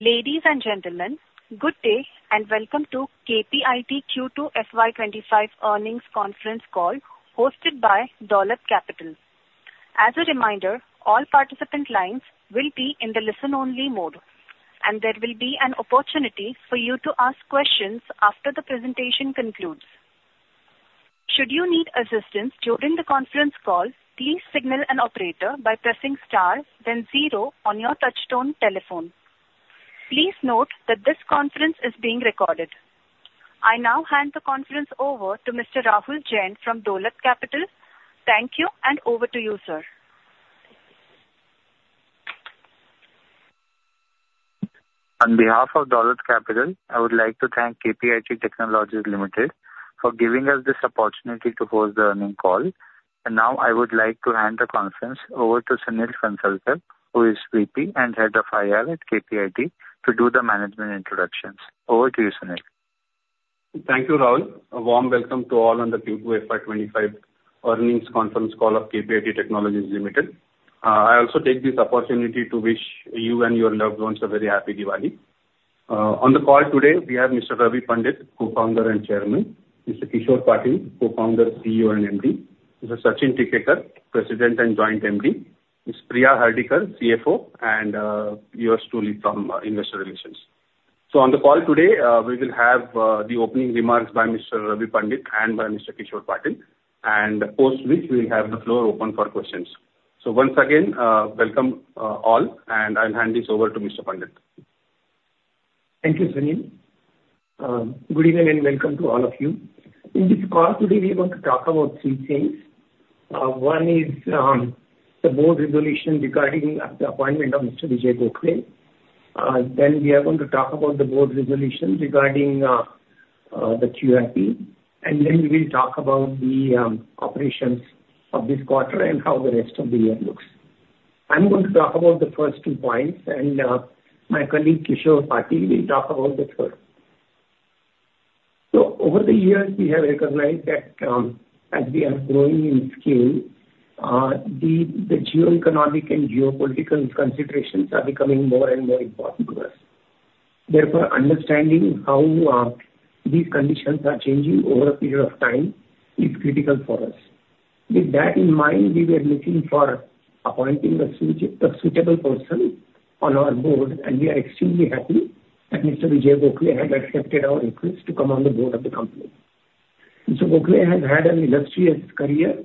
Ladies and gentlemen, good day, and welcome to KPIT Q2 FY25 earnings conference call, hosted by Dolat Capital. As a reminder, all participant lines will be in the listen-only mode, and there will be an opportunity for you to ask questions after the presentation concludes. Should you need assistance during the conference call, please signal an operator by pressing star then zero on your touchtone telephone. Please note that this conference is being recorded. I now hand the conference over to Mr. Rahul Jain from Dolat Capital. Thank you, and over to you, sir. On behalf of Dolat Capital, I would like to thank KPIT Technologies Limited for giving us this opportunity to host the earnings call, and now I would like to hand the conference over to Sunil Kulkarni, who is VP and Head of IR at KPIT, to do the management introductions. Over to you, Sunil. Thank you, Rahul. A warm welcome to all on the Q2 FY 2025 earnings conference call of KPIT Technologies Limited. I also take this opportunity to wish you and your loved ones a very happy Diwali. On the call today, we have Mr. Ravi Pandit, Co-founder and Chairman; Mr. Kishor Patil, Co-Founder, CEO, and MD; Mr. Sachin Tikekar, President and Joint MD; Ms. Priya Hardikar, CFO; and Stuti Bhorkar from Investor Relations, so on the call today, we will have the opening remarks by Mr. Ravi Pandit and by Mr. Kishor Patil, and post which we'll have the floor open for questions, so once again, welcome all, and I'll hand this over to Mr. Pandit. Thank you, Sunil. Good evening, and welcome to all of you. In this call today, we are going to talk about three things. One is the board resolution regarding the appointment of Mr. Vijay Gokhale. Then we are going to talk about the board resolution regarding the QIP, and then we will talk about the operations of this quarter and how the rest of the year looks. I'm going to talk about the first two points, and my colleague, Kishor Patil, will talk about the third. Over the years, we have recognized that as we are growing in scale, the geoeconomic and geopolitical considerations are becoming more and more important to us. Therefore, understanding how these conditions are changing over a period of time is critical for us. With that in mind, we were looking for appointing a suitable person on our board, and we are extremely happy that Mr. Vijay Gokhale has accepted our request to come on the board of the company. Mr. Gokhale has had an illustrious career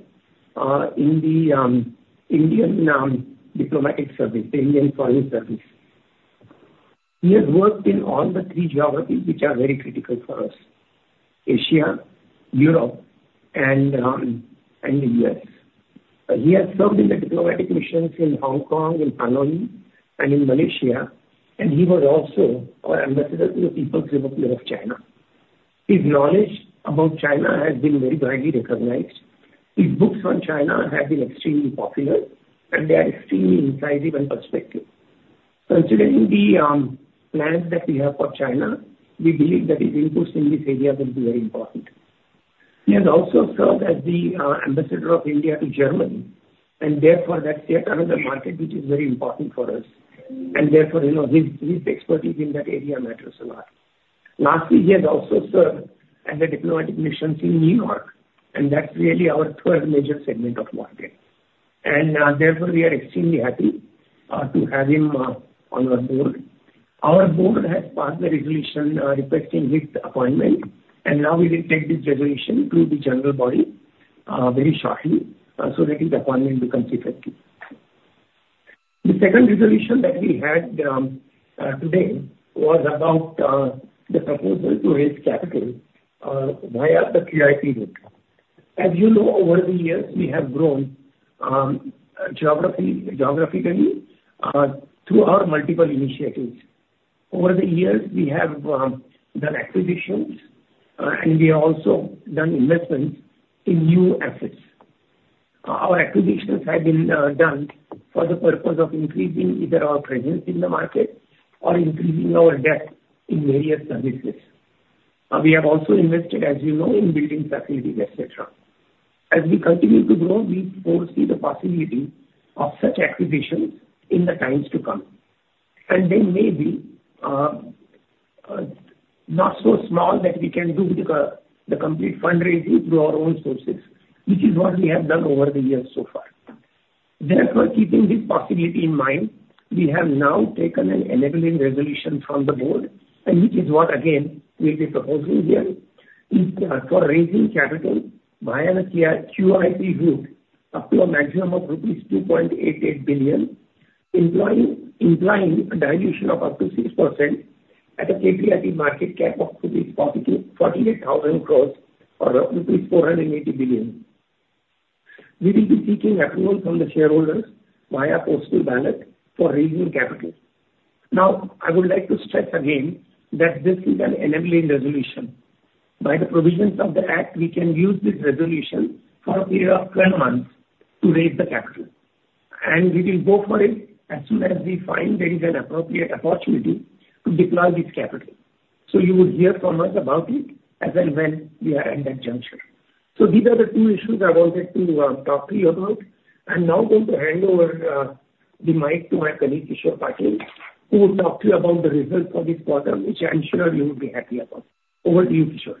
in the Indian Diplomatic Service, the Indian Foreign Service. He has worked in all the three geographies, which are very critical for us: Asia, Europe, and the US. He has served in the diplomatic missions in Hong Kong, in Taiwan, and in Malaysia, and he was also our ambassador to the People's Republic of China. His knowledge about China has been very widely recognized. His books on China have been extremely popular, and they are extremely incisive and perceptive. Considering the plans that we have for China, we believe that his inputs in this area will be very important. He has also served as the ambassador of India to Germany, and therefore, that's yet another market which is very important for us. And therefore, you know, his expertise in that area matters a lot. Lastly, he has also served at the diplomatic missions in New York, and that's really our third major segment of market. And therefore, we are extremely happy to have him on our board. Our board has passed the resolution requesting his appointment, and now we will take this resolution to the general body very shortly so that his appointment becomes effective. The second resolution that we had today was about the proposal to raise capital via the QIP route. As you know, over the years, we have grown geographically through our multiple initiatives. Over the years, we have done acquisitions, and we have also done investments in new assets. Our acquisitions have been done for the purpose of increasing either our presence in the market or increasing our depth in various services. We have also invested, as you know, in building facilities, et cetera. As we continue to grow, we foresee the possibility of such acquisitions in the times to come. They may be not so small that we can do the complete fundraising through our own sources, which is what we have done over the years so far. Therefore, keeping this possibility in mind, we have now taken an enabling resolution from the board, and which is what again, we are proposing here, is for raising capital via the QIP route up to a maximum of rupees 2.88 billion, employing a dilution of up to 6% at a KPIT market cap up to rupees 48,000 crores or rupees 480 billion. We will be seeking approval from the shareholders via postal ballot for raising capital. Now, I would like to stress again that this is an enabling resolution. By the provisions of the act, we can use this resolution for a period of twelve months to raise the capital, and we will go for it as soon as we find there is an appropriate opportunity to deploy this capital. So you will hear from us about it as and when we are at that juncture. So these are the two issues I wanted to talk to you about. I'm now going to hand over the mic to my colleague, Kishor Patil, who will talk to you about the results for this quarter, which I am sure you will be happy about. Over to you, Kishor.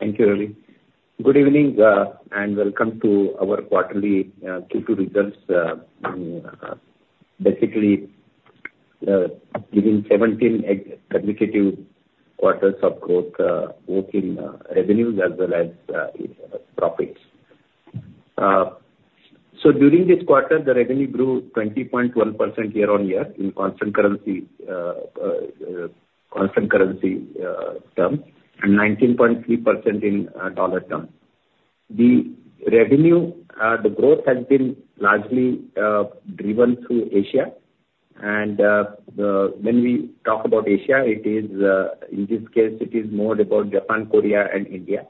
Thank you, Ravi. Good evening, and welcome to our quarterly Q2 results. Basically, giving 17 consecutive quarters of growth, both in revenues as well as profits. During this quarter, the revenue grew 20.1% year-on-year in constant currency terms, and 19.3% in dollar terms. The revenue, the growth has been largely driven through Asia, and when we talk about Asia, it is, in this case, it is more about Japan, Korea and India.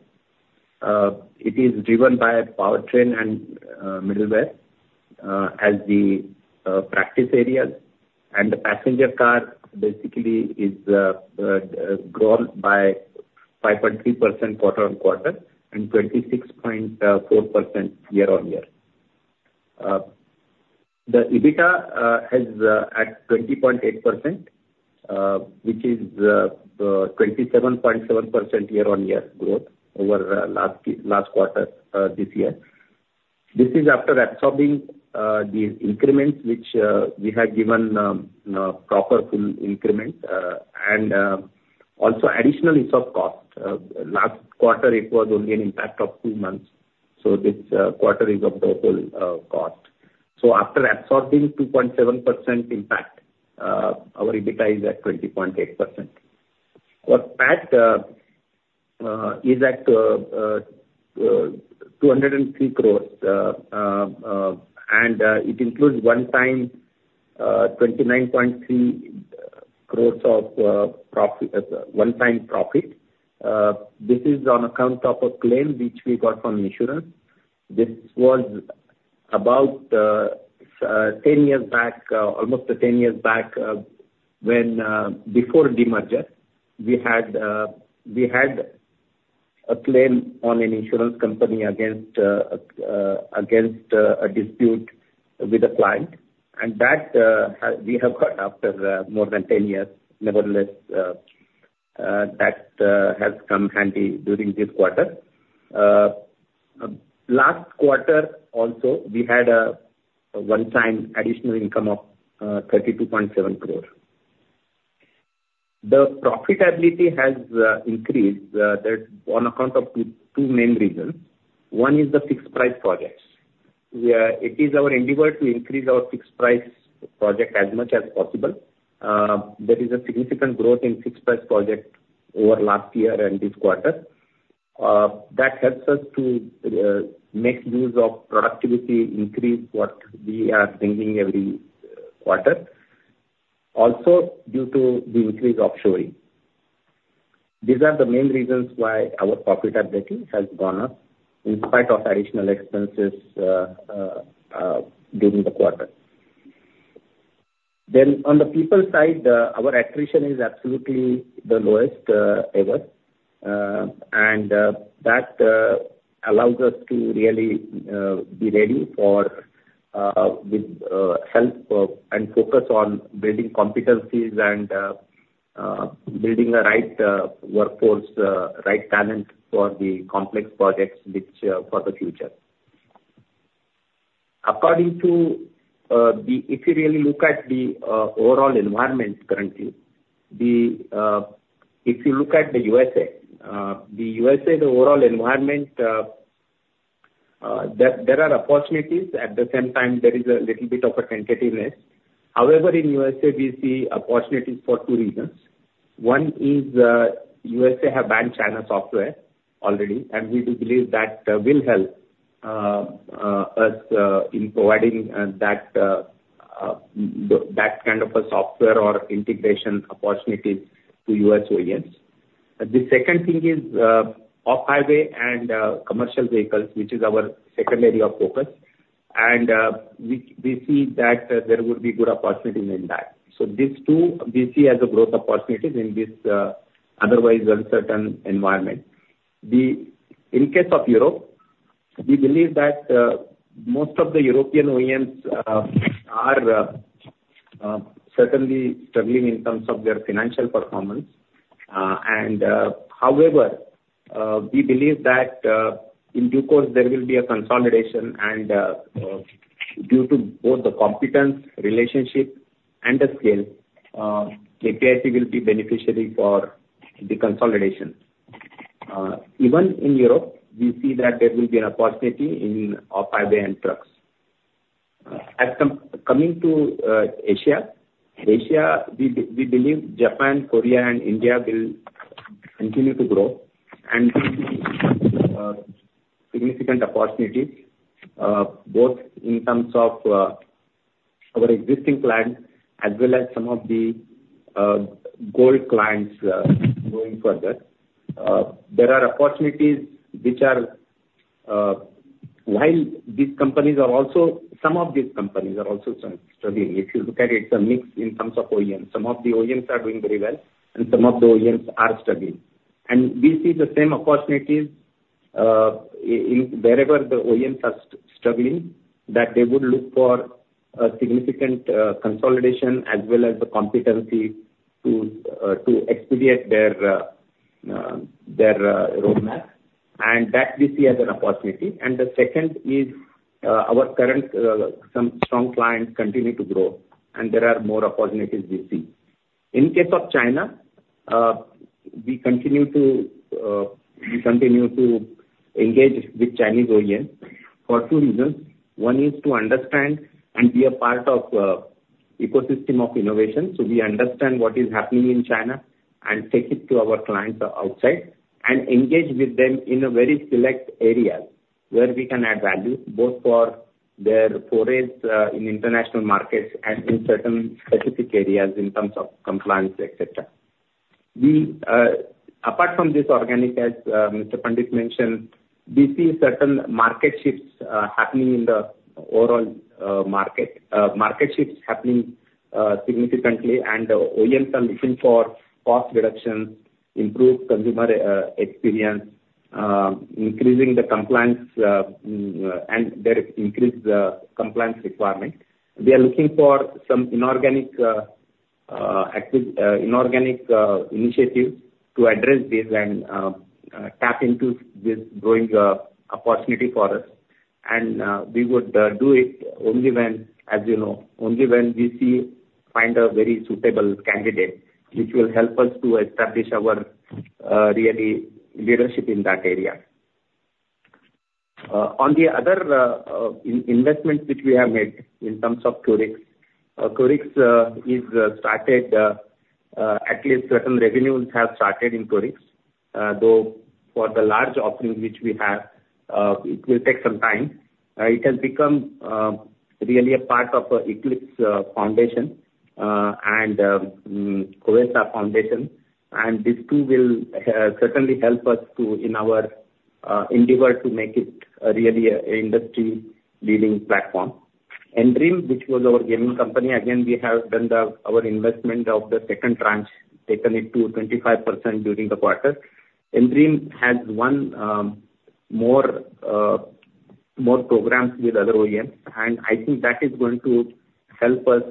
It is driven by powertrain and middleware as the practice areas. The passenger car basically is grown by 5.3% quarter-on-quarter and 26.4% year-on-year. The EBITDA is at 20.8%, which is 27.7% year-on-year growth over last quarter this year. This is after absorbing the increments, which we had given, proper full increment, and also additional ESOP cost. Last quarter, it was only an impact of two months, so this quarter is of the whole cost. So after absorbing 2.7% impact, our EBITDA is at 20.8%. Our PAT is at INR 203 crores. It includes one time 29.3 crores of profit, one time profit. This is on account of a claim which we got from insurance. This was about 10 years back, almost 10 years back, when, before demerger, we had a claim on an insurance company against a dispute with a client, and that we have got after more than 10 years. Nevertheless, that has come handy during this quarter. Last quarter also, we had a one-time additional income of 32.7 crore. The profitability has increased, that on account of two main reasons. One is the fixed price projects. We, it is our endeavor to increase our fixed price project as much as possible. There is a significant growth in fixed price project over last year and this quarter. That helps us to make use of productivity increase what we are bringing every quarter. Also, due to the increase of offshoring. These are the main reasons why our profitability has gone up, in spite of additional expenses during the quarter. Then on the people side, our attrition is absolutely the lowest ever, and that allows us to really be ready for, with help, and focus on building competencies and building the right workforce, right talent for the complex projects which for the future. If you really look at the overall environment currently, if you look at the USA, the overall environment, there are opportunities. At the same time, there is a little bit of a tentativeness. However, in USA we see opportunities for two reasons. One is, USA have banned China software already, and we do believe that will help us in providing that kind of a software or integration opportunities to US OEMs. The second thing is, off-highway and commercial vehicles, which is our second area of focus, and we see that there would be good opportunities in that. So these two, we see as a growth opportunities in this otherwise uncertain environment. In case of Europe, we believe that most of the European OEMs are certainly struggling in terms of their financial performance. However, we believe that in due course there will be a consolidation, and due to both the competence, relationship and the scale, the KPIT will be beneficiary for the consolidation. Even in Europe, we see that there will be an opportunity in off-highway and trucks. Coming to Asia, we believe Japan, Korea, and India will continue to grow and significant opportunities both in terms of our existing clients as well as some of the global clients going further. There are opportunities, while these companies are also struggling. If you look at it, the mix in terms of OEMs, some of the OEMs are doing very well, and some of the OEMs are struggling. And we see the same opportunities, in wherever the OEMs are struggling, that they would look for a significant, consolidation as well as the competency to expedite their roadmap, and that we see as an opportunity. And the second is, our current some strong clients continue to grow, and there are more opportunities we see. In case of China, we continue to engage with Chinese OEMs for two reasons. One is to understand and be a part of ecosystem of innovation, so we understand what is happening in China and take it to our clients outside, and engage with them in a very select area where we can add value, both for their forays, in international markets and in certain specific areas, in terms of compliance, et cetera. We, apart from this organic, as Mr. Pandit mentioned, we see certain market shifts happening in the overall market significantly, and OEMs are looking for cost reduction, improved consumer experience, increasing compliance, and there is increased compliance requirement. We are looking for some inorganic initiatives to address this and tap into this growing opportunity for us. We would do it only when, as you know, only when we find a very suitable candidate, which will help us to establish our really leadership in that area. On the other investment which we have made in terms of QORIX. QORIX is started. At least certain revenues have started in QORIX. Though, for the large offerings which we have, it will take some time. It has become really a part of Eclipse Foundation and COVESA foundation, and these two will certainly help us in our endeavor to make it really a industry-leading platform. N-Dream, which was our gaming company, again, we have done our investment of the second tranche, taken it to 25% during the quarter. N-Dream has won more programs with other OEMs, and I think that is going to help us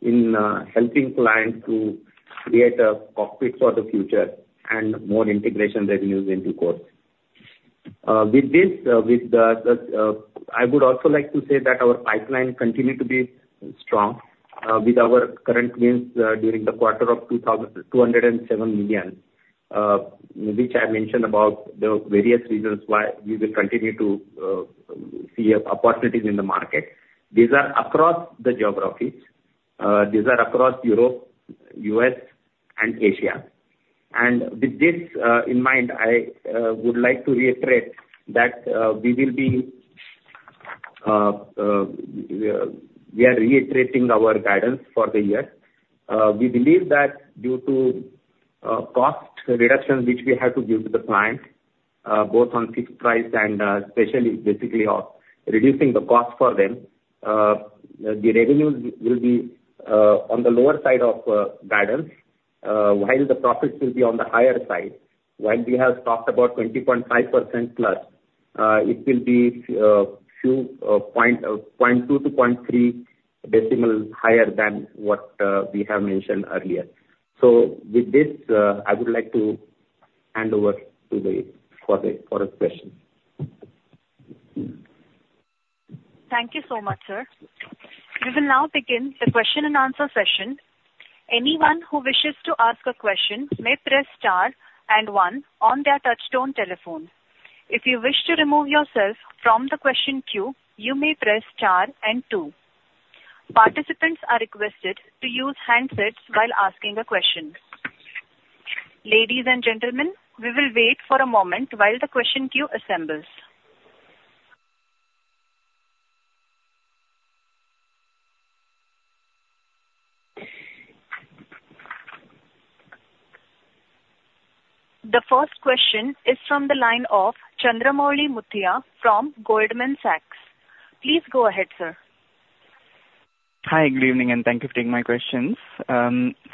in helping clients to create a cockpit for the future and more integration revenues into core. With this, with the, I would also like to say that our pipeline continue to be strong, with our current wins during the quarter of $2,207 million, which I mentioned about the various reasons why we will continue to see opportunities in the market. These are across the geographies. These are across Europe, US and Asia. And with this in mind, I would like to reiterate that we will be, we are reiterating our guidance for the year. We believe that due to cost reductions which we have to give to the clients, both on fixed price and especially basically of reducing the cost for them, the revenues will be on the lower side of guidance, while the profits will be on the higher side. While we have talked about 20.5% plus, it will be few point 0.2-0.3 decimal higher than what we have mentioned earlier. So with this, I would like to hand over to the floor for the questions. Thank you so much, sir. We will now begin the question-and-answer session. Anyone who wishes to ask a question may press star and one on their touchtone telephone. If you wish to remove yourself from the question queue, you may press star and two. Participants are requested to use handsets while asking a question. Ladies and gentlemen, we will wait for a moment while the question queue assembles. The first question is from the line of Chandramouli Muthiah from Goldman Sachs. Please go ahead, sir. Hi, good evening, and thank you for taking my questions.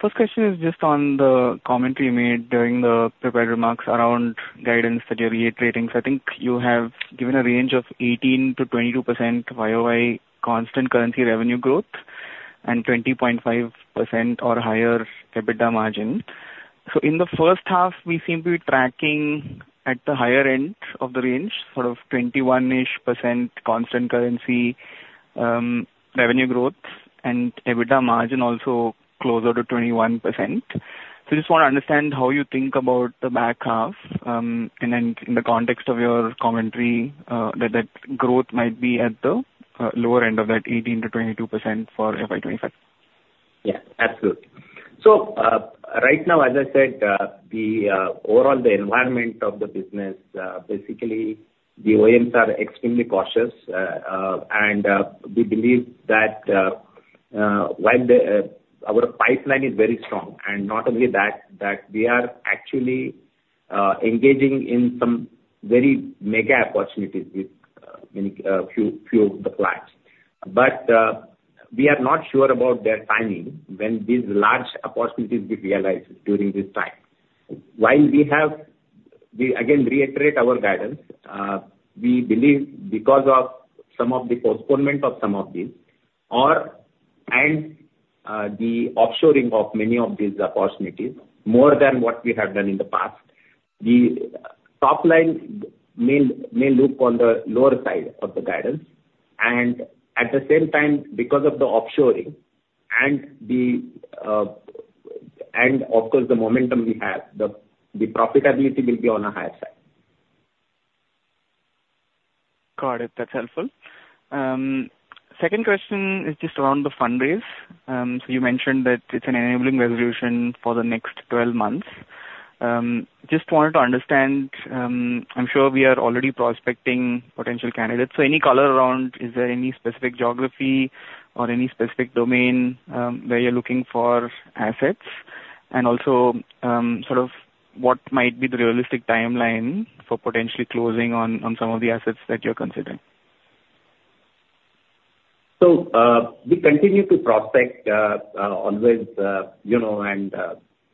First question is just on the commentary you made during the prepared remarks around guidance that you're reiterating. So I think you have given a range of 18%-22% YoY constant currency revenue growth and 20.5% or higher EBITDA margin. So in the first half, we seem to be tracking at the higher end of the range, sort of 21-ish% constant currency revenue growth and EBITDA margin also closer to 21%. So just want to understand how you think about the back half, and then in the context of your commentary, that, that growth might be at the lower end of that 18%-22% for FY 2025. Yeah, absolutely. So, right now, as I said, the overall environment of the business, basically the OEMs are extremely cautious. And we believe that while our pipeline is very strong, and not only that, we are actually engaging in some very mega opportunities with a few of the clients. But we are not sure about their timing, when these large opportunities get realized during this time. While we have, we again reiterate our guidance. We believe because of some of the postponement of some of these, or the offshoring of many of these opportunities more than what we have done in the past, the top line may look on the lower side of the guidance. And at the same time, because of the offshoring and the, and of course, the momentum we have, the profitability will be on a higher side. Got it. That's helpful. Second question is just around the fundraise. So you mentioned that it's an enabling resolution for the next twelve months. Just wanted to understand, I'm sure we are already prospecting potential candidates, so any color around, is there any specific geography or any specific domain, where you're looking for assets? And also, sort of what might be the realistic timeline for potentially closing on some of the assets that you're considering? So, we continue to prospect, always, you know, and,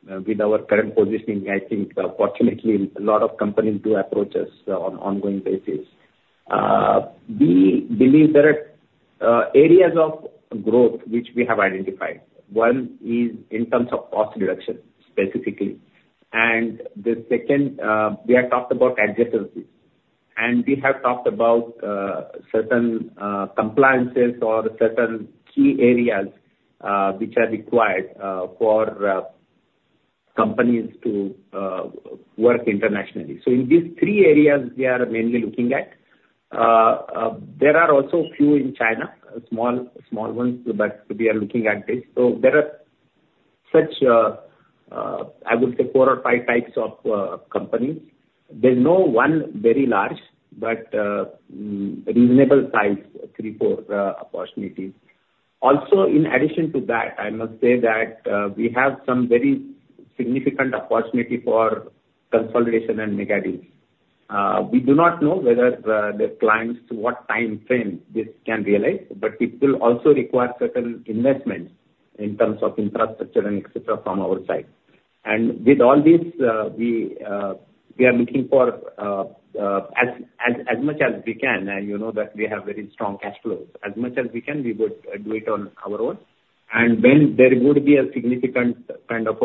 with our current positioning, I think fortunately, a lot of companies do approach us on an ongoing basis. We believe there are areas of growth which we have identified. One is in terms of cost reduction, specifically, and the second, we have talked about adjacencies. And we have talked about certain compliances or certain key areas, which are required, for companies to work internationally. So in these three areas we are mainly looking at, there are also a few in China, small ones, but we are looking at this. So there are such, I would say four or five types of companies. There's no one very large, but, reasonable size, three, four opportunities. Also, in addition to that, I must say that we have some very significant opportunity for consolidation and mega deals. We do not know whether the clients, to what timeframe this can realize, but it will also require certain investments in terms of infrastructure and et cetera, from our side. And with all this, we are looking for as much as we can, and you know that we have very strong cash flows. As much as we can, we would do it on our own. And when there would be a significant kind of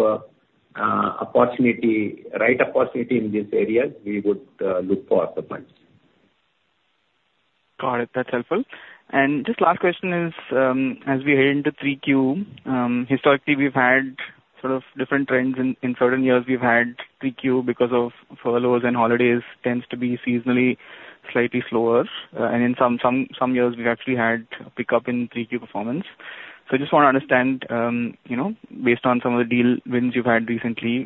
opportunity, right opportunity in these areas, we would look for other funds. Got it. That's helpful. And just last question is, as we head into 3Q, historically, we've had sort of different trends. In certain years we've had 3Q because of furloughs and holidays, tends to be seasonally slightly slower. And in some years, we've actually had pickup in 3Q performance. So I just want to understand, you know, based on some of the deal wins you've had recently,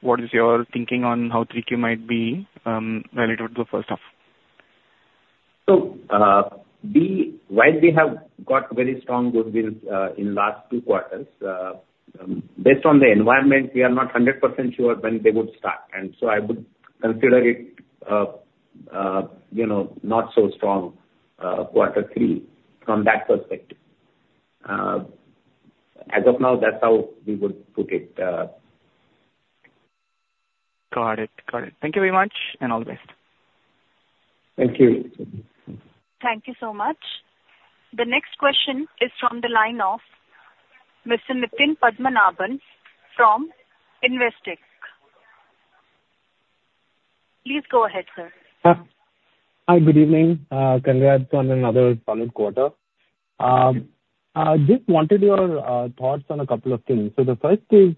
what is your thinking on how 3Q might be, relative to the first half? So, while we have got very strong good deals in last two quarters, based on the environment, we are not 100% sure when they would start, and so I would consider it, you know, not so strong quarter three, from that perspective. As of now, that's how we would put it. Got it. Got it. Thank you very much, and all the best. Thank you. Thank you so much. The next question is from the line of Mr. Nitin Padmanabhan from Investec. Please go ahead, sir. Hi, good evening. Congrats on another solid quarter. I just wanted your thoughts on a couple of things. So the first is,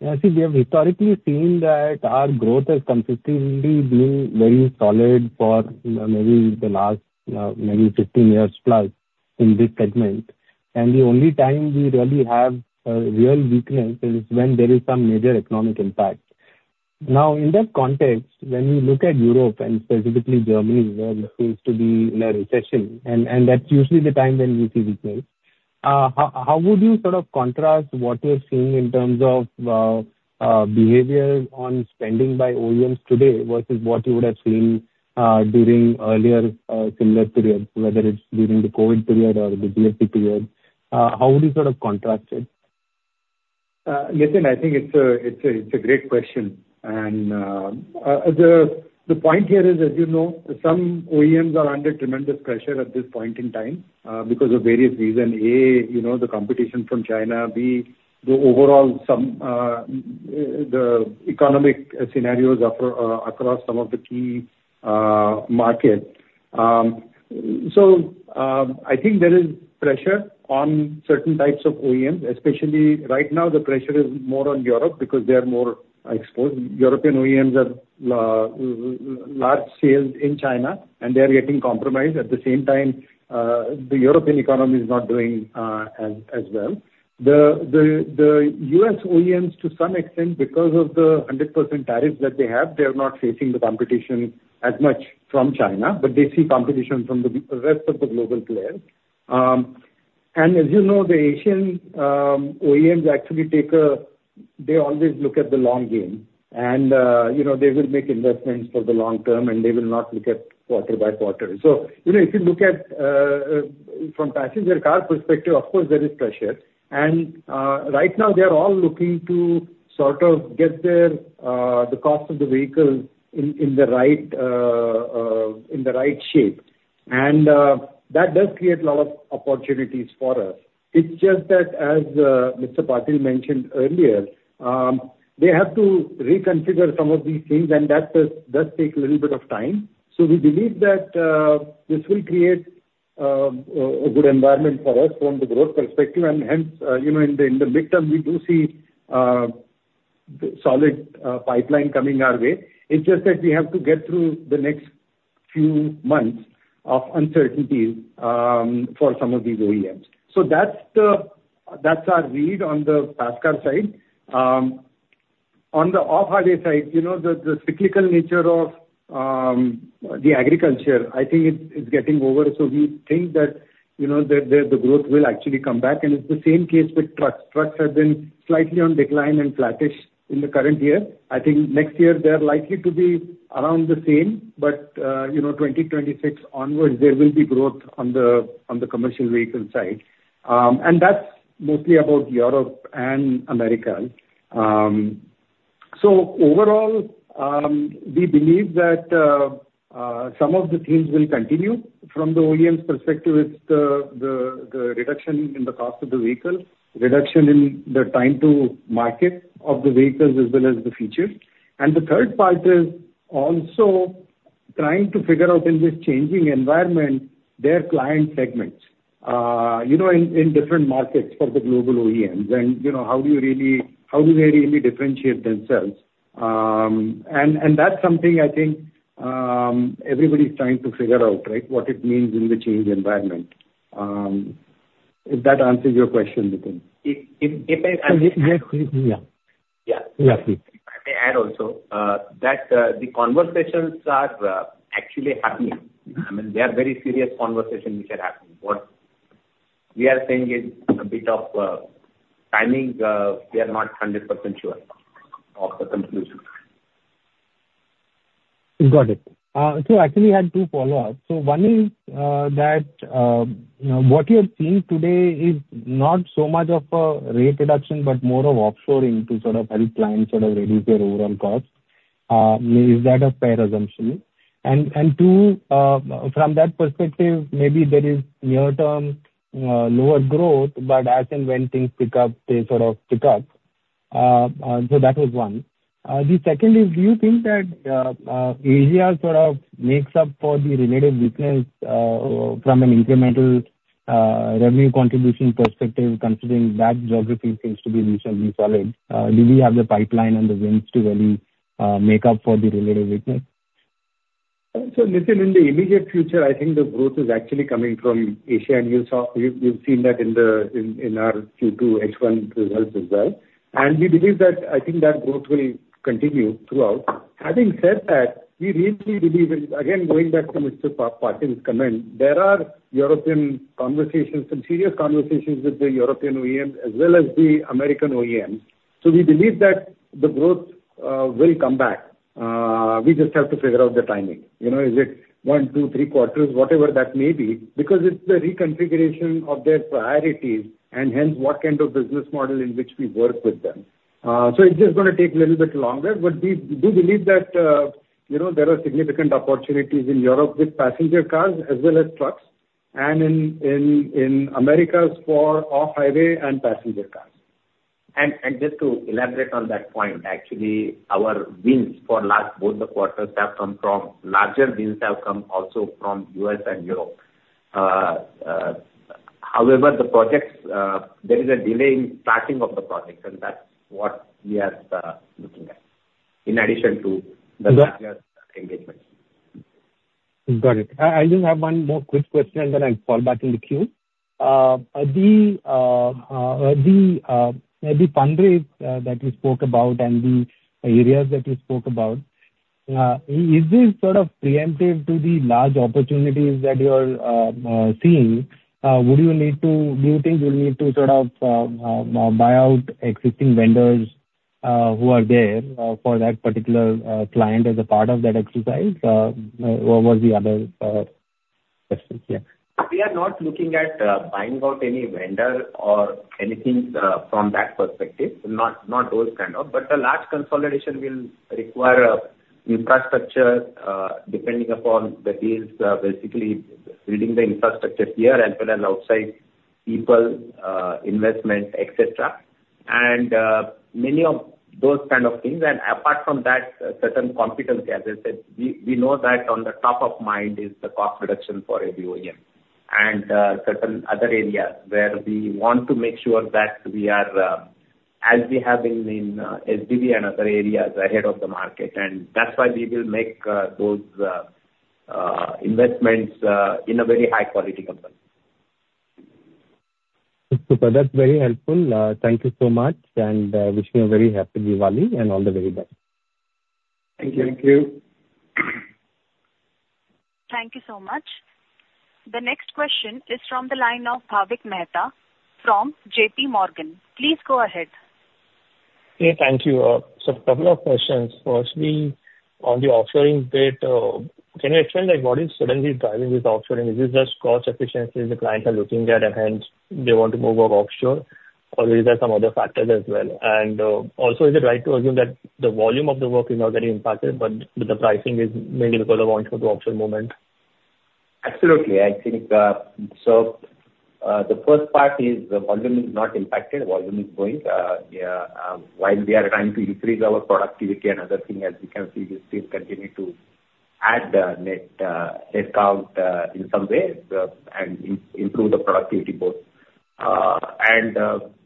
so we have historically seen that our growth has consistently been very solid for, maybe the last, maybe 15 years plus in this segment, and the only time we really have a real weakness is when there is some major economic impact. Now, in that context, when we look at Europe and specifically Germany, which seems to be in a recession, and that's usually the time when we see weakness. How would you sort of contrast what you're seeing in terms of behavior on spending by OEMs today versus what you would have seen during earlier similar periods, whether it's during the COVID period or the GFC period? How would you sort of contrast it? Nitin, I think it's a great question. The point here is, as you know, some OEMs are under tremendous pressure at this point in time, because of various reasons. A, you know, the competition from China. B, the overall economic scenarios across some of the key markets. So, I think there is pressure on certain types of OEMs. Especially right now, the pressure is more on Europe because they are more exposed. European OEMs have large sales in China, and they're getting compromised. At the same time, the European economy is not doing as well. The U.S. OEMs, to some extent, because of the 100% tariff that they have, they're not facing the competition as much from China, but they see competition from the rest of the global players. As you know, the Asian OEMs actually take, they always look at the long game, and you know, they will make investments for the long term, and they will not look at quarter by quarter. You know, if you look at from passenger car perspective, of course there is pressure. Right now they are all looking to sort of get their, the cost of the vehicle in the right shape. That does create a lot of opportunities for us. It's just that as Mr. Patil mentioned earlier, they have to reconfigure some of these things, and that does take a little bit of time. We believe that this will create a good environment for us from the growth perspective. And hence, you know, in the midterm, we do see solid pipeline coming our way. It's just that we have to get through the next few months of uncertainties for some of these OEMs. So that's our read on the passenger side. On the off-highway side, you know, the cyclical nature of the agriculture, I think it's getting over. So we think that, you know, the growth will actually come back. And it's the same case with trucks. Trucks have been slightly on decline and flattish in the current year. I think next year they are likely to be around the same, but you know, 2026 onwards, there will be growth on the commercial vehicle side. And that's mostly about Europe and America. So overall, we believe that some of the themes will continue. From the OEM's perspective, it's the reduction in the cost of the vehicle, reduction in the time to market of the vehicles as well as the features. And the third part is also trying to figure out in this changing environment, their client segments, you know, in different markets for the global OEMs. And, you know, how do you really, how do they really differentiate themselves? And that's something I think everybody's trying to figure out, right? What it means in the changed environment. If that answers your question, Nitin. If I- Yeah. Yeah. Yeah, please. If I may add also, that the conversations are actually happening. I mean, they are very serious conversations which are happening. What we are saying is a bit of timing, we are not 100% sure of the conclusion. Got it. So actually I had two follow-ups. One is that what you're seeing today is not so much of a rate reduction, but more of offshoring to sort of help clients sort of reduce their overall costs. Is that a fair assumption? And two, from that perspective, maybe there is near-term lower growth, but as and when things pick up, they sort of pick up, so that was one. The second is, do you think that Asia sort of makes up for the relative weakness from an incremental revenue contribution perspective, considering that geography seems to be recently solid? Do we have the pipeline and the wins to really make up for the relative weakness? Nitin, in the immediate future, I think the growth is actually coming from Asia, and you've seen that in our Q2 H1 results as well. We believe that, I think that growth will continue throughout. Having said that, we really believe in, again, going back to Mr. Patil's comment, there are European conversations, some serious conversations with the European OEMs as well as the American OEMs. We believe that the growth will come back. We just have to figure out the timing. You know, is it one, two, three quarters? Whatever that may be, because it's the reconfiguration of their priorities, and hence, what kind of business model in which we work with them. So it's just gonna take a little bit longer, but we believe that, you know, there are significant opportunities in Europe with passenger cars as well as trucks, and in Americas for off-highway and passenger cars. Just to elaborate on that point, actually, our wins for last both the quarters have come from, larger wins have come also from U.S. and Europe. However, the projects, there is a delay in starting of the projects, and that's what we are looking at in addition to the larger engagements. Got it. I just have one more quick question, then I'll fall back in the queue. The fund raise that you spoke about and the areas that you spoke about, is this sort of preemptive to the large opportunities that you are seeing? Would you need to... Do you think you'll need to sort of buy out existing vendors who are there for that particular client as a part of that exercise? What were the other questions, yeah. We are not looking at, buying out any vendor or anything, from that perspective, not those kind of. But the large consolidation will require, infrastructure, depending upon the deals, basically building the infrastructure here as well as outside people, investment, et cetera. And, many of those kind of things. And apart from that, certain competencies, as I said, we know that on the top of mind is the cost reduction for every OEM. And, certain other areas where we want to make sure that we are, as we have been in, SDV and other areas, ahead of the market. And that's why we will make, those investments, in a very high-quality company. Super. That's very helpful. Thank you so much, and wish you a very happy Diwali, and all the very best. Thank you. Thank you. Thank you so much. The next question is from the line of Bhavik Mehta from J.P. Morgan. Please go ahead. Hey, thank you. So couple of questions. Firstly, on the offshoring bit, can you explain, like, what is suddenly driving this offshoring? Is this just cost efficiency the clients are looking at, and hence they want to move offshore, or is there some other factors as well? And, also, is it right to assume that the volume of the work is not very impacted, but the pricing is mainly because of onshore to offshore movement? Absolutely. I think, so, the first part is the volume is not impacted, volume is going. Yeah, while we are trying to increase our productivity another thing, as you can see, we still continue to add, net, net count, in some way, and improve the productivity both. And,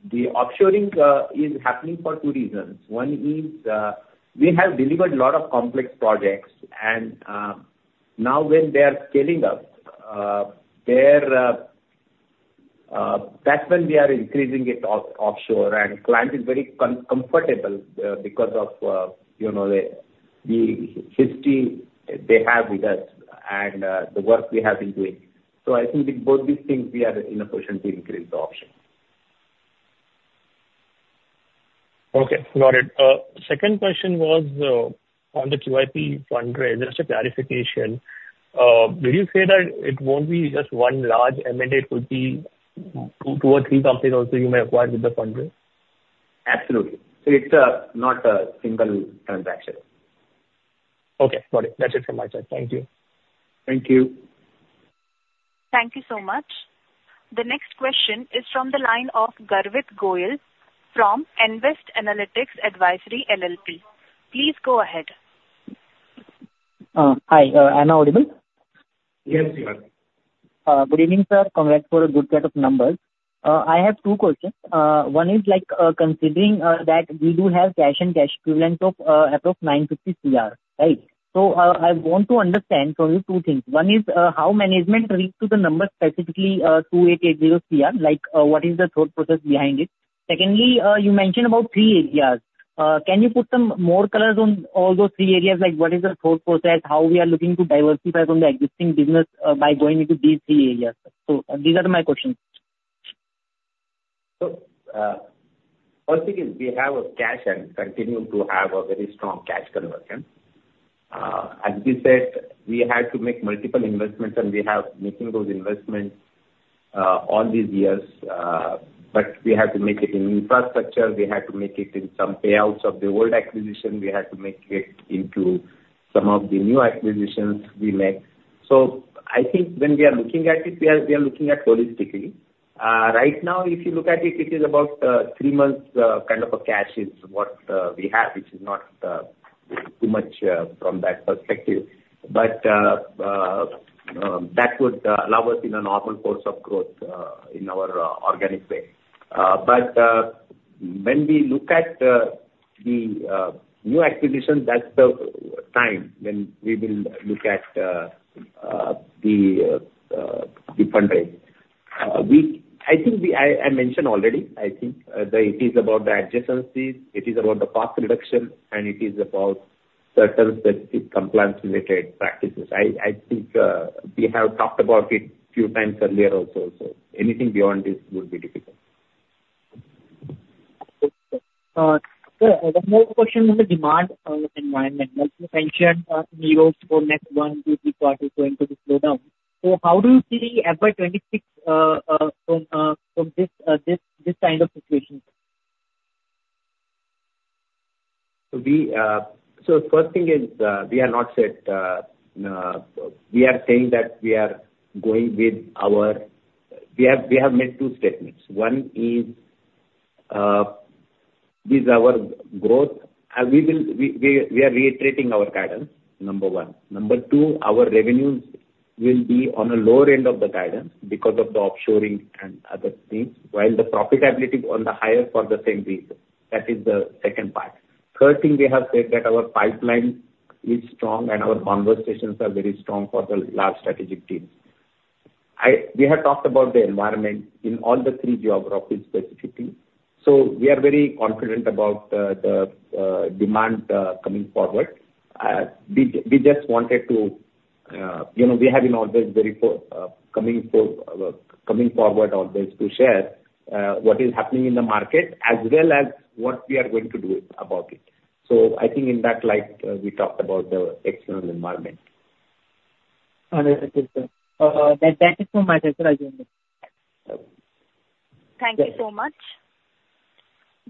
the offshoring is happening for two reasons. One is, we have delivered a lot of complex projects, and, now when they are scaling up, they're, that's when we are increasing it offshore. And client is very comfortable, because of, you know, the, the history they have with us and, the work we have been doing. So I think with both these things, we are in a position to increase the offshore. Okay, got it. Second question was on the QIP fundraise, just a clarification. Did you say that it won't be just one large M&A, it could be two or three companies also you may acquire with the fundraise? Absolutely. So it's not a single transaction. Okay, got it. That's it from my side. Thank you. Thank you. Thank you so much. The next question is from the line of Garvit Goyal from Nvest Analytics Advisory LLP. Please go ahead. Hi, am I audible? Yes, you are. Good evening, sir. Congrats for a good set of numbers. I have two questions. One is, like, considering that we do have cash and cash equivalent of approx. 950 CR, right? So, I want to understand from you two things. One is, how management reached to the number, specifically, 2,880 CR, like, what is the thought process behind it? Secondly, you mentioned about three areas. Can you put some more colors on all those three areas? Like, what is the thought process, how we are looking to diversify from the existing business, by going into these three areas? These are my questions. First thing is, we have a cash and continue to have a very strong cash conversion. As we said, we had to make multiple investments, and we have making those investments all these years. But we had to make it in infrastructure, we had to make it in some payouts of the old acquisition, we had to make it into some of the new acquisitions we made. I think when we are looking at it, we are looking at holistically. Right now, if you look at it, it is about three months kind of a cash is what we have, which is not too much from that perspective. But that would allow us in a normal course of growth in our organic way. But when we look at the new acquisition, that's the time when we will look at the fundraise. I think I mentioned already. I think it is about the adjacencies, it is about the cost reduction, and it is about certain specific compliance-related practices. I think we have talked about it few times earlier also, so anything beyond this would be difficult. Sir, one more question on the demand environment. Like you mentioned, in your next one to three quarters going to be slowdown. So how do you see FY 2026 from this kind of situation? So, first thing is, we have not said. We are saying that we are going with our... We have made two statements. One is our growth. We are reiterating our guidance, number one. Number two, our revenues will be on the lower end of the guidance because of the offshoring and other things, while the profitability on the higher end for the same reason. That is the second part. Third thing, we have said that our pipeline is strong and our conversations are very strong for the large strategic deals. We have talked about the environment in all three geographies specifically, so we are very confident about the demand coming forward. We just wanted to, you know, we have been always very forward, coming forward always to share what is happening in the market, as well as what we are going to do about it. So I think in that light, we talked about the external environment. Understood, sir, then thank you so much as well. Thank you so much.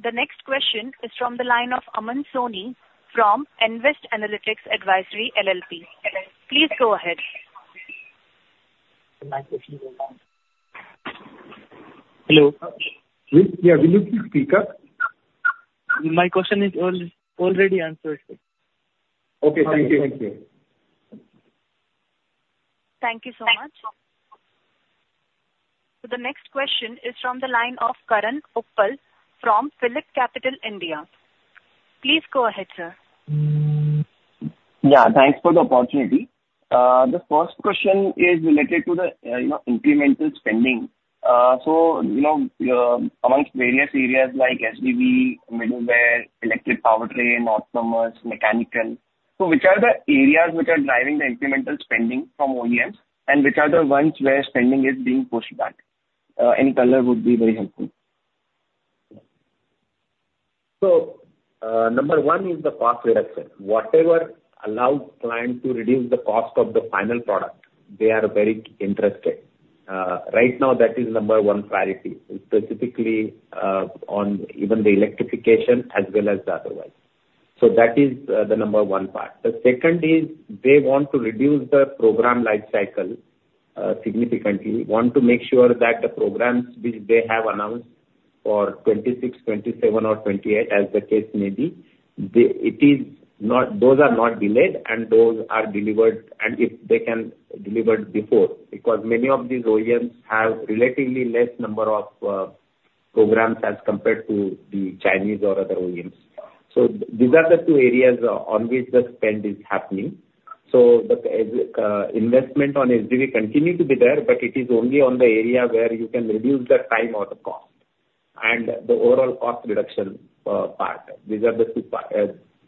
The next question is from the line of Aman Soni, from Nvest Analytics Advisory LLP. Please go ahead. My question is done. Hello? Yes, yeah. Will you please speak up? My question is already answered. Okay, thank you. Thank you. Thank you so much. So the next question is from the line of Karan Uppal, from PhillipCapital India. Please go ahead, sir. Yeah, thanks for the opportunity. The first question is related to the, you know, incremental spending. So, you know, among various areas like SDV, middleware, electric powertrain, autonomous, mechanical, so which are the areas which are driving the incremental spending from OEMs, and which are the ones where spending is being pushed back? Any color would be very helpful. So, number one is the cost reduction. Whatever allows client to reduce the cost of the final product, they are very interested. Right now, that is number one priority, specifically, on even the electrification as well as the other one. So that is, the number one part. The second is, they want to reduce the program life cycle, significantly. Want to make sure that the programs which they have announced for 2026, 2027 or 2028, as the case may be, those are not delayed and those are delivered, and if they can deliver before. Because many of these OEMs have relatively less number of, programs as compared to the Chinese or other OEMs. So these are the two areas on which the spend is happening. So the investment on SDV continue to be there, but it is only on the area where you can reduce the time or the cost, and the overall cost reduction part. These are the two part.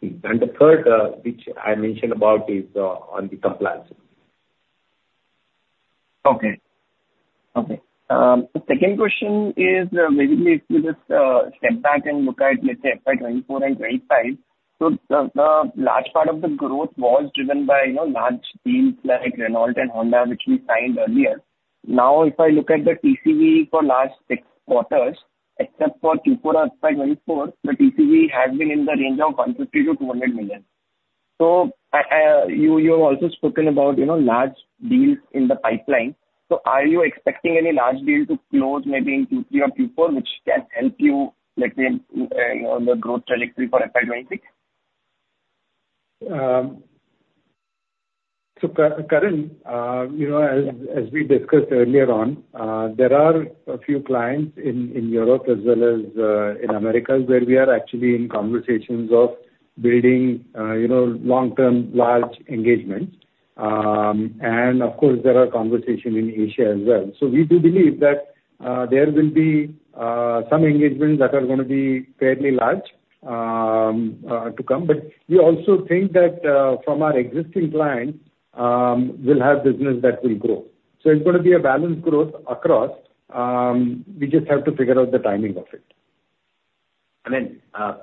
And the third, which I mentioned about, is on the compliance. Okay. Okay. The second question is, maybe if you just step back and look at, let's say, FY 2024 and 2025. So the large part of the growth was driven by, you know, large deals like Renault and Honda, which we signed earlier. Now, if I look at the TCV for last six quarters, except for Q4 of FY 2024, the TCV has been in the range of $150-$200 million. So you have also spoken about, you know, large deals in the pipeline. So are you expecting any large deals to close maybe in Q3 or Q4, which can help you on the growth trajectory for FY 2026? So Karan, you know, as we discussed earlier on, there are a few clients in Europe as well as in Americas, where we are actually in conversations of building, you know, long-term large engagements. And of course, there are conversations in Asia as well. So we do believe that there will be some engagements that are gonna be fairly large to come. But we also think that from our existing clients, we'll have business that will grow. So it's gonna be a balanced growth across, we just have to figure out the timing of it. And then,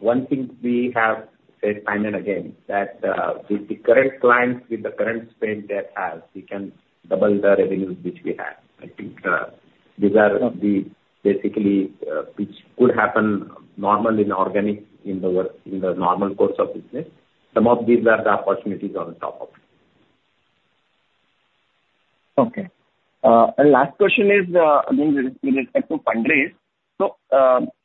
one thing we have said time and again, that with the current clients, with the current spend that has, we can double the revenues which we have. I think, these are the basically, which could happen normally in organic, in the normal course of business. Some of these are the opportunities on the top of it. Okay. And last question is, I mean, with respect to fundraise, so,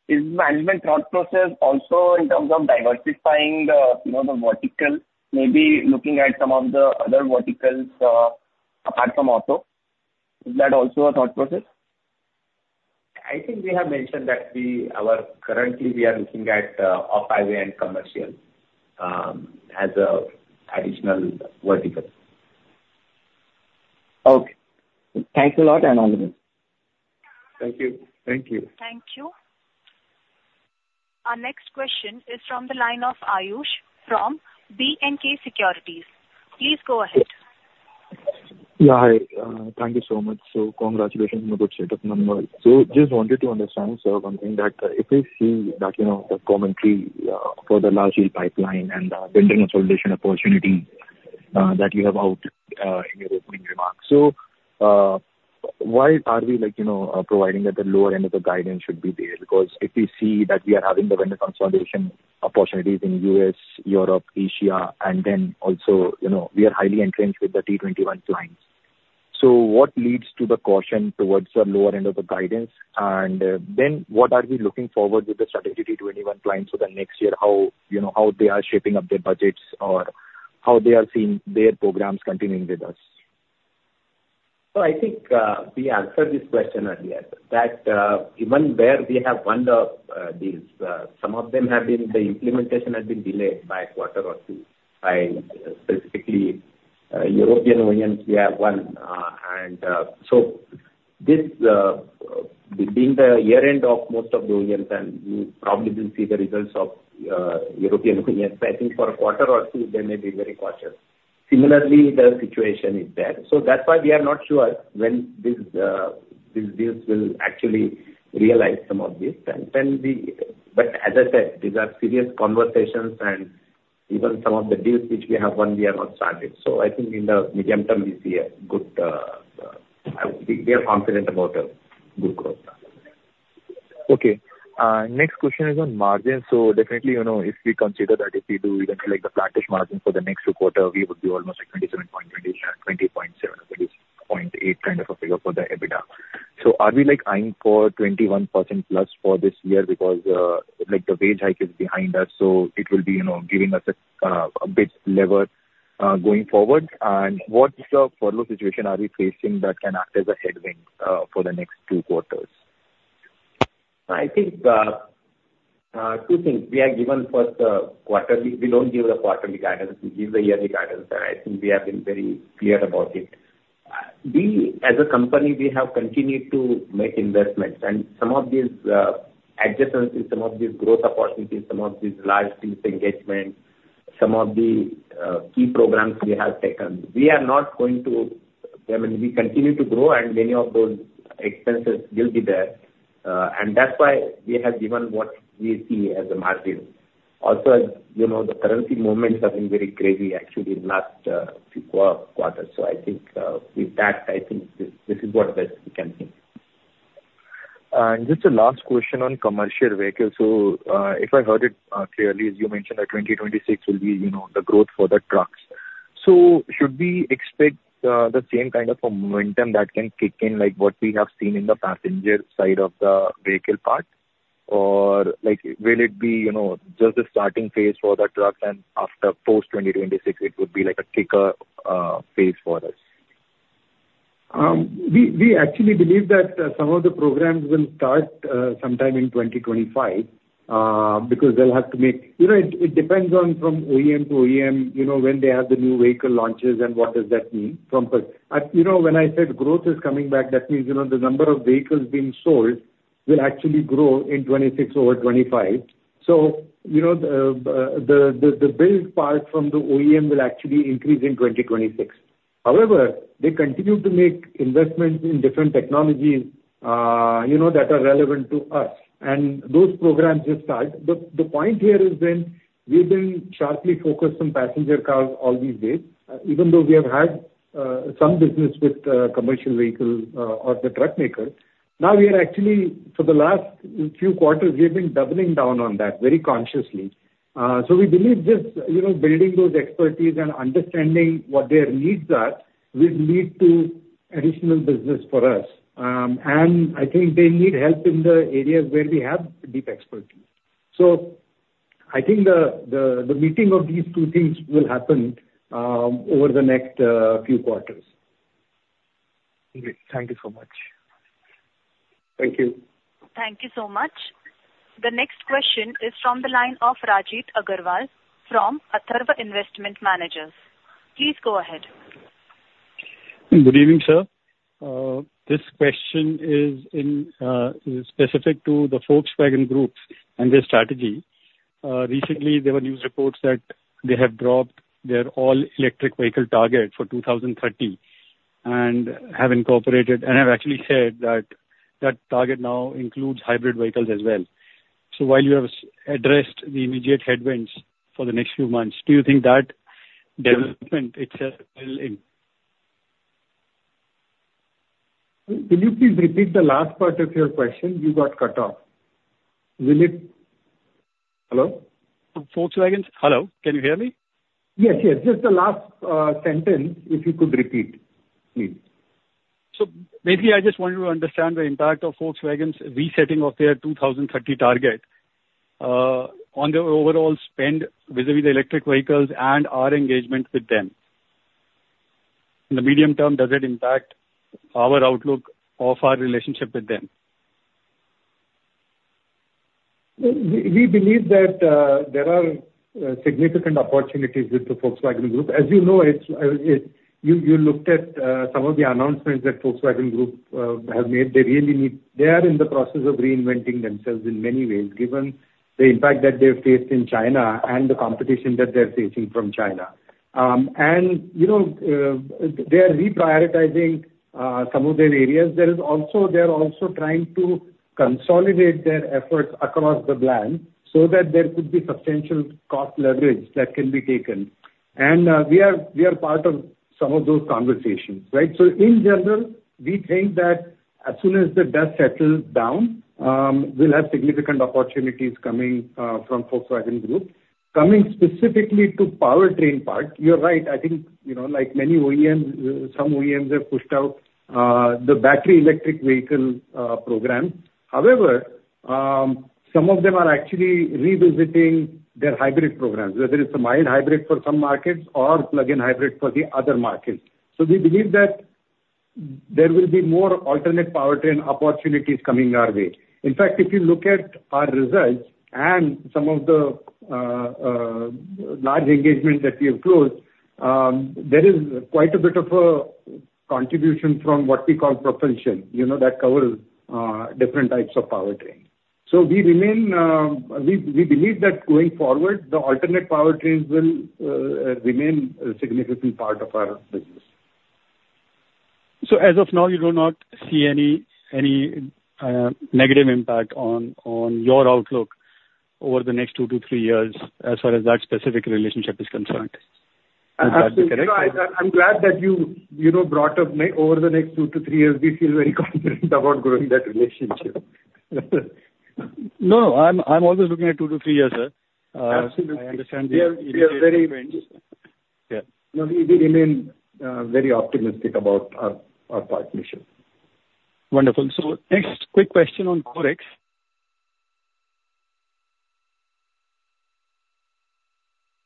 is management thought process also in terms of diversifying the, you know, the vertical, maybe looking at some of the other verticals, apart from auto? Is that also a thought process? I think we have mentioned that currently we are looking at off-highway and commercial as an additional vertical. Okay. Thanks a lot, and all the best. Thank you. Thank you. Thank you. Our next question is from the line of Ayush from B&K Securities. Please go ahead. Yeah, hi. Thank you so much. So, congratulations on the good set of numbers. So, just wanted to understand, sir, one thing, that if we see that, you know, the commentary for the large deal pipeline and the vendor consolidation opportunity that you have out in your opening remarks. So, why are we like, you know, providing that the lower end of the guidance should be there? Because if we see that we are having the vendor consolidation opportunities in U.S., Europe, Asia, and then also, you know, we are highly entrenched with the Tier 1 clients. So, what leads to the caution towards the lower end of the guidance? And then, what are we looking forward with the strategy Tier 1 clients for the next year? How, you know, how they are shaping up their budgets, or how they are seeing their programs continuing with us? So I think we answered this question earlier, that even where we have won the deals, some of them have been, the implementation has been delayed by a quarter or two by specifically European OEMs, we have one. And so this, this being the year-end of most of the OEMs, and we probably will see the results of European OEMs. I think for a quarter or two, they may be very cautious. Similarly, the situation is there. So that's why we are not sure when these deals will actually realize some of this. And then we... But as I said, these are serious conversations, and even some of the deals which we have won, we have not started. So I think in the medium term, we see a good, we are confident about good growth. Okay. Next question is on margins. So definitely, you know, if we consider that, if we do even like the flat-ish margin for the next two quarters, we would be almost like 27.20, 20.7, that is, 0.8 kind of a figure for the EBITDA. So are we, like, eyeing for 21% plus for this year? Because, like, the wage hike is behind us, so it will be, you know, giving us a bit leverage going forward. And what's the forex situation are we facing that can act as a headwind for the next two quarters? I think, two things: we are given first, quarterly, we don't give the quarterly guidance, we give the yearly guidance, and I think we have been very clear about it. We, as a company, we have continued to make investments, and some of these, adjustments to some of these growth opportunities, some of these large piece engagements, some of the, key programs we have taken. We are not going to - I mean, we continue to grow, and many of those expenses will be there. And that's why we have given what we see as a margin. Also, you know, the currency movements have been very crazy, actually, in last, few quarters. So I think, with that, I think this is what best we can do. And just a last question on commercial vehicles. So, if I heard it clearly, you mentioned that 2026 will be, you know, the growth for the trucks. So should we expect the same kind of a momentum that can kick in, like what we have seen in the passenger side of the vehicle part? Or, like, will it be, you know, just a starting phase for the truck, and after post-2026, it would be like a kicker phase for us? We actually believe that some of the programs will start sometime in 2025 because they'll have to make. You know, it depends on from OEM to OEM, you know, when they have the new vehicle launches and what does that mean from. You know, when I said growth is coming back, that means, you know, the number of vehicles being sold will actually grow in 2026 over 2025. So, you know, the build part from the OEM will actually increase in 2026. However, they continue to make investments in different technologies, you know, that are relevant to us, and those programs just start. The point here is then, we've been sharply focused on passenger cars all these days, even though we have had some business with commercial vehicles or the truck makers. Now, we are actually, for the last few quarters, we've been doubling down on that very consciously. So we believe this, you know, building those expertise and understanding what their needs are, will lead to additional business for us. And I think they need help in the areas where we have deep expertise. So I think the meeting of these two things will happen over the next few quarters. Great. Thank you so much. Thank you. Thank you so much. The next question is from the line of Rajat Agarwal from Atharva Investment Managers. Please go ahead. Good evening, sir. This question is specific to the Volkswagen Group and their strategy. Recently, there were news reports that they have dropped their all-electric vehicle target for 2030, and have incorporated, and have actually said that that target now includes hybrid vehicles as well. So while you have addressed the immediate headwinds for the next few months, do you think that development itself will end? Will, will you please repeat the last part of your question? You got cut off. Will it. Hello? Volkswagen's. Hello, can you hear me? Yes, yes. Just the last sentence, if you could repeat, please. Basically, I just wanted to understand the impact of Volkswagen's resetting of their 2030 target on their overall spend vis-a-vis the electric vehicles and our engagement with them. In the medium term, does it impact our outlook of our relationship with them? We believe that there are significant opportunities with the Volkswagen Group. As you know, you looked at some of the announcements that Volkswagen Group have made. They are in the process of reinventing themselves in many ways, given the impact that they've faced in China and the competition that they're facing from China. You know, they are reprioritizing some of their areas. There is also. They are also trying to consolidate their efforts across the globe, so that there could be substantial cost leverage that can be taken. We are part of some of those conversations, right? In general, we think that as soon as the dust settles down, we'll have significant opportunities coming from Volkswagen Group. Coming specifically to powertrain part, you're right. I think, you know, like many OEMs, some OEMs have pushed out the battery electric vehicle program. However, some of them are actually revisiting their hybrid programs, whether it's a mild hybrid for some markets or plug-in hybrid for the other markets. So we believe that there will be more alternate powertrain opportunities coming our way. In fact, if you look at our results and some of the large engagements that we have closed, there is quite a bit of a contribution from what we call propulsion, you know, that covers different types of powertrain. So we remain, we believe that going forward, the alternate powertrains will remain a significant part of our business. So as of now, you do not see any negative impact on your outlook over the next two to three years, as far as that specific relationship is concerned? Is that correct? You know, I'm glad that you, you know, brought up over the next two to three years. We feel very confident about growing that relationship. No, I'm always looking at two to three years, sir. Absolutely. I understand the- We are very- Yeah. No, we remain very optimistic about our partnership. Wonderful. So next quick question on QORIX.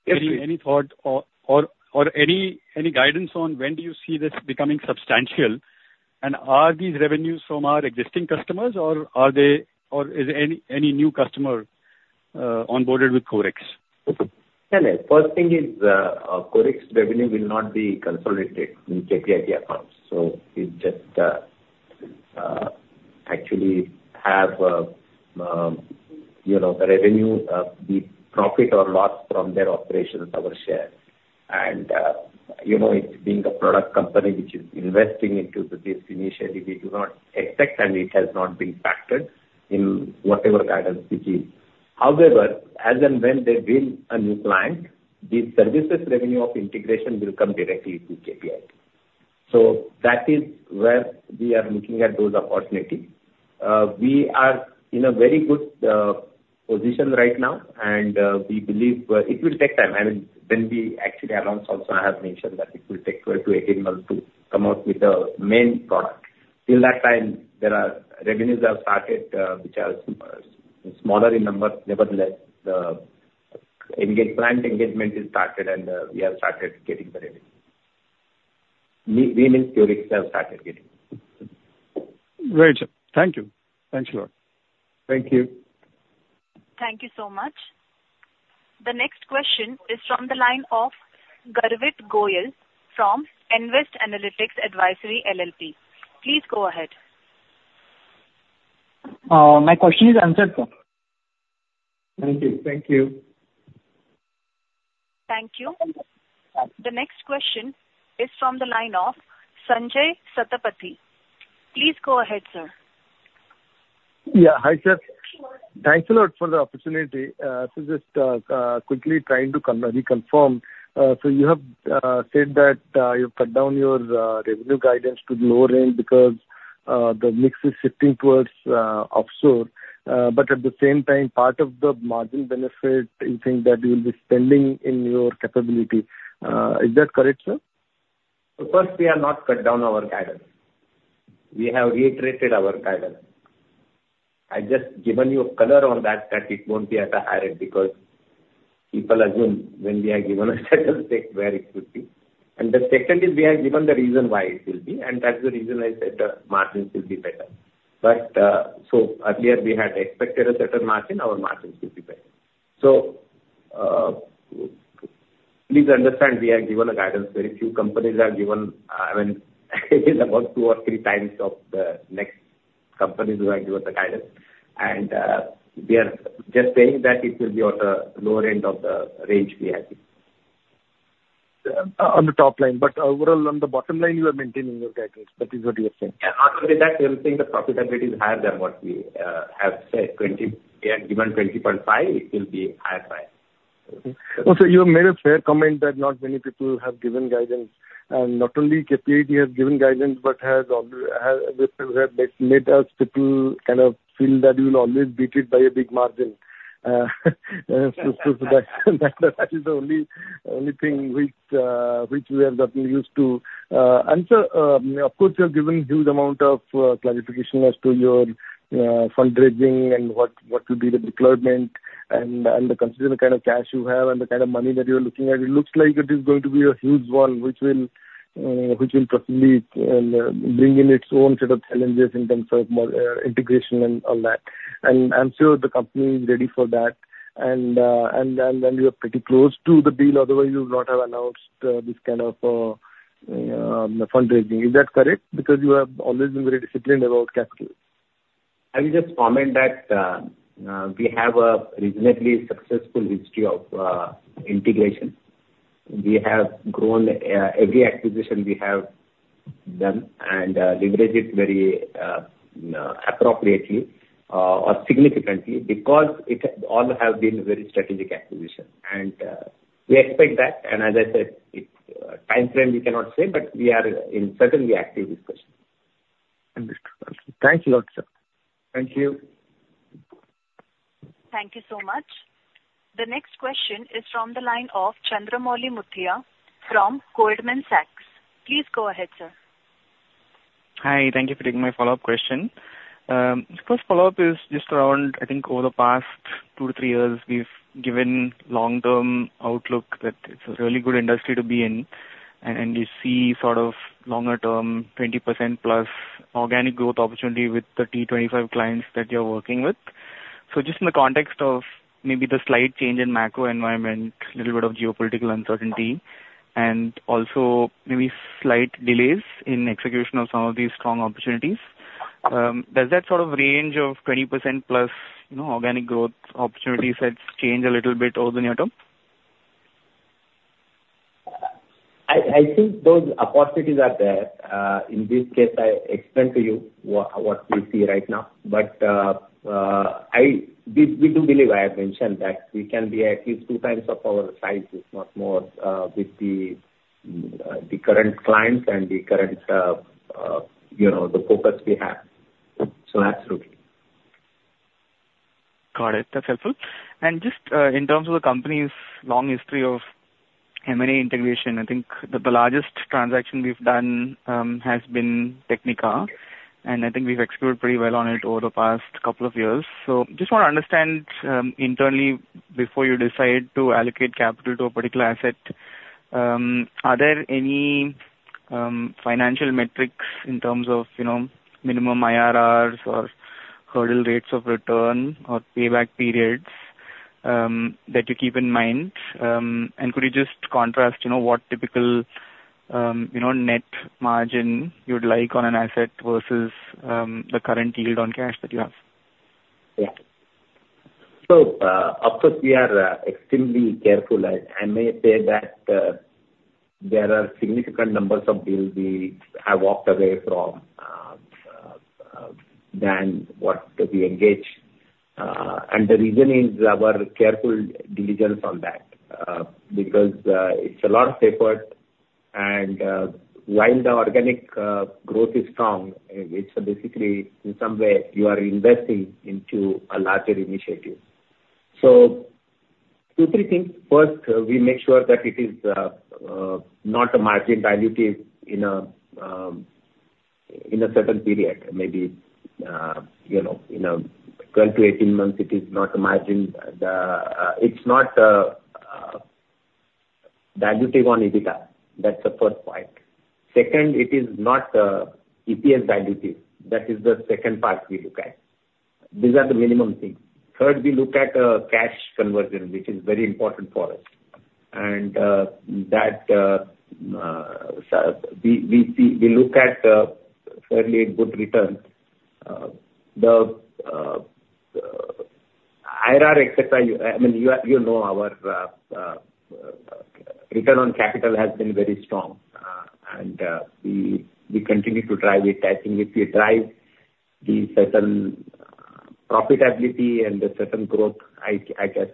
Any thought or any guidance on when do you see this becoming substantial? And are these revenues from our existing customers, or are they, or is any new customer onboarded with QORIX? No, no. First thing is, QORIX revenue will not be consolidated in KPIT accounts, so it just actually, you know, the revenue, the profit or loss from their operations, our share. And, you know, it's being a product company which is investing into this initially, we do not expect, and it has not been factored in whatever guidance we give. However, as and when they win a new client, the services revenue of integration will come directly to KPIT. So that is where we are looking at those opportunities. We are in a very good position right now, and, we believe, it will take time. I mean, when we actually announce also, I have mentioned that it will take twelve to eighteen months to come out with a main product. Till that time, there are revenues that have started, which are smaller in number. Nevertheless, the client engagement is started, and we have started getting the revenue. We, we means QORIX have started getting. Great, sir. Thank you. Thanks a lot. Thank you. Thank you so much. The next question is from the line of Garvit Goyal from Nvest Analytics Advisory LLP. Please go ahead. My question is answered, sir. Thank you. Thank you. Thank you. The next question is from the line of Sanjay Satapathy. Please go ahead, sir. Yeah. Hi, sir. Thanks a lot for the opportunity. So just quickly trying to reconfirm. So you have said that you've cut down your revenue guidance to the lower end because the mix is shifting towards offshore. But at the same time, part of the margin benefit, you think that you'll be spending in your capability. Is that correct, sir? First, we have not cut down our guidance. We have reiterated our guidance. I've just given you a color on that, that it won't be at a higher, because people assume when we have given a certain state where it should be. And the second is we have given the reason why it will be, and that's the reason I said the margins will be better. But, so earlier we had expected a certain margin, our margins will be better. So, please understand, we have given a guidance. Very few companies have given, I mean, it is about two or three times of the next companies who have given the guidance. And, we are just saying that it will be on the lower end of the range we have given. On the top line, but overall, on the bottom line, you are maintaining your guidance. That is what you are saying. Yeah. Not only that, we are saying the profitability is higher than what we have said, 20. We have given 20.5, it will be higher side. Okay. Also, you have made a fair comment that not many people have given guidance, and not only KPIT has given guidance, but has made us people kind of feel that you will always beat it by a big margin, so that is the only thing which we have gotten used to, and, sir, of course, you have given huge amount of clarification as to your fundraising and what will be the deployment and considering the kind of cash you have and the kind of money that you are looking at, it looks like it is going to be a huge one, which will probably bring in its own set of challenges in terms of more integration and all that. I'm sure the company is ready for that. You are pretty close to the deal, otherwise you would not have announced this kind of fundraising. Is that correct? Because you have always been very disciplined about capital. I will just comment that we have a reasonably successful history of integration. We have grown every acquisition we have done, and leverage it very appropriately or significantly, because they all have been very strategic acquisitions. And we expect that, and as I said, its timeframe, we cannot say, but we are certainly in active discussions. Understood. Thank you a lot, sir. Thank you. Thank you so much. The next question is from the line of Chandramouli Muthiah from Goldman Sachs. Please go ahead, sir. Hi. Thank you for taking my follow-up question. The first follow-up is just around... I think over the past two to three years, we've given long-term outlook that it's a really good industry to be in, and we see sort of longer-term, 20% plus organic growth opportunity with the T25 clients that you're working with. So just in the context of maybe the slight change in macro environment, little bit of geopolitical uncertainty, and also maybe slight delays in execution of some of these strong opportunities, does that sort of range of 20% plus, you know, organic growth opportunities, has changed a little bit over the near term? I think those opportunities are there. In this case, I explained to you what we see right now. But we do believe. I have mentioned that we can be at least two times of our size, if not more, with the current clients and the current, you know, the focus we have. So absolutely. Got it. That's helpful. And just in terms of the company's long history of M&A integration, I think the largest transaction we've done has been Technica, and I think we've executed pretty well on it over the past couple of years. So just want to understand internally, before you decide to allocate capital to a particular asset, are there any financial metrics in terms of, you know, minimum IRRs or hurdle rates of return or payback periods that you keep in mind? And could you just contrast, you know, what typical net margin you'd like on an asset versus the current yield on cash that you have? Yeah. So of course, we are extremely careful. I may say that there are significant numbers of deals we have walked away from than what we engage. And the reason is our careful diligence on that because it's a lot of effort and while the organic growth is strong, it's basically in some way you are investing into a larger initiative. So two, three things. First, we make sure that it is not a margin dilutive in a certain period, maybe you know, in a 12-18 months, it is not margin. Then it's not dilutive on EBITDA. That's the first point. Second, it is not EPS dilutive. That is the second part we look at. These are the minimum things. Third, we look at cash conversion, which is very important for us, and so we look at fairly good returns. The IRR et cetera, I mean, you know, our return on capital has been very strong, and we continue to drive it. I think if we drive the certain profitability and the certain growth, I guess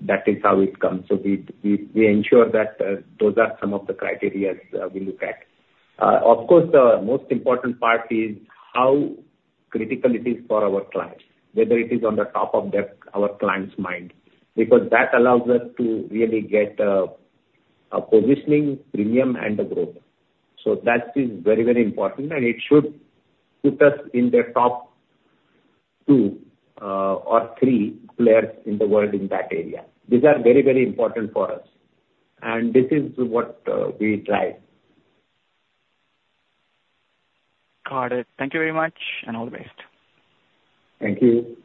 that is how it comes, so we ensure that those are some of the criteria we look at. Of course, the most important part is how critical it is for our clients, whether it is on the top of their mind, because that allows us to really get a positioning premium and the growth. That is very, very important, and it should put us in the top two or three players in the world in that area. These are very, very important for us, and this is what we drive. Got it. Thank you very much, and all the best. Thank you.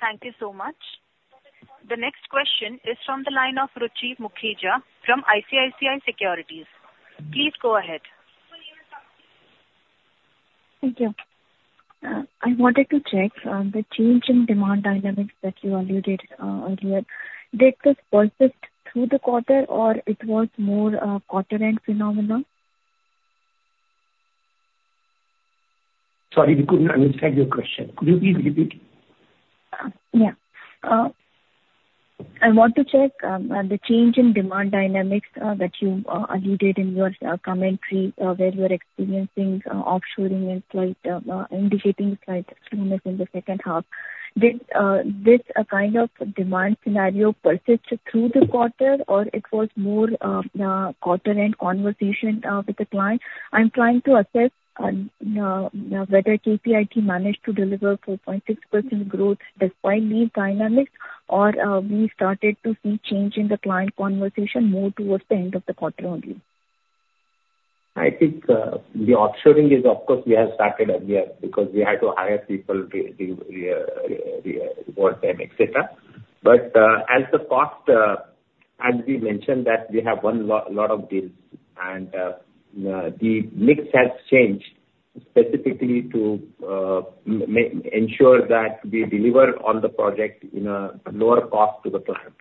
Thank you so much. The next question is from the line of Ruchi Mukhija from ICICI Securities. Please go ahead. Thank you. I wanted to check the change in demand dynamics that you alluded earlier. Did this persist through the quarter, or it was more quarter-end phenomena? Sorry, we couldn't understand your question. Could you please repeat? Yeah. I want to check the change in demand dynamics that you alluded in your commentary, where you are experiencing offshoring and slight indicating slight slowness in the second half. Did this kind of demand scenario persist through the quarter, or it was more quarter-end conversation with the client? I'm trying to assess whether KPIT managed to deliver 4.6% growth despite these dynamics, or we started to see change in the client conversation more towards the end of the quarter only. I think the offshoring is of course, we have started earlier because we had to hire people to onboard them, et cetera. But, as to the cost, as we mentioned, that we have won a lot of deals, and the mix has changed specifically to ensure that we deliver on the project in a lower cost to the customer.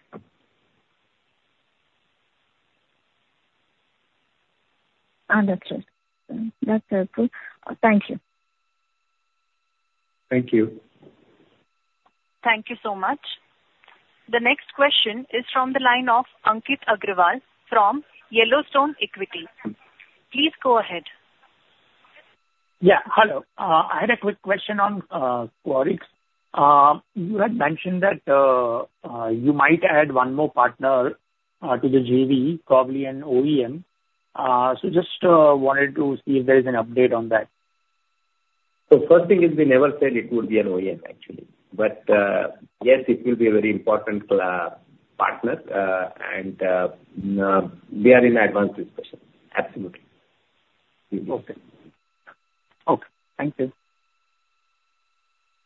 Ah, that's it. That's helpful. Thank you. Thank you. Thank you so much. The next question is from the line of Ankit Agarwal from Yellowstone Equity. Please go ahead. Yeah, hello. I had a quick question on QORIX. You had mentioned that you might add one more partner to the JV, probably an OEM. So just wanted to see if there is an update on that. So first thing is, we never said it would be an OEM, actually, but yes, it will be a very important partner. And we are in advanced discussions. Absolutely. Okay. Okay, thank you.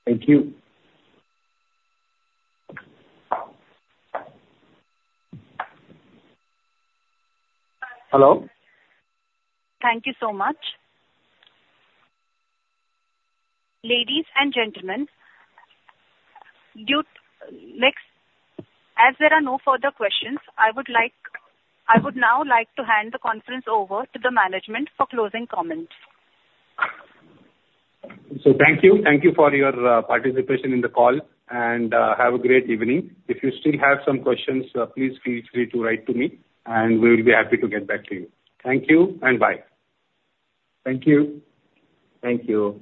Thank you. Hello? Thank you so much. Ladies and gentlemen, next, as there are no further questions, I would now like to hand the conference over to the management for closing comments. Thank you. Thank you for your participation in the call, and have a great evening. If you still have some questions, please feel free to write to me, and we will be happy to get back to you. Thank you, and bye. Thank you. Thank you.